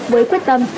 với quyết tâm